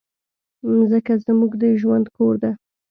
مځکه زموږ د ژوند کور ده.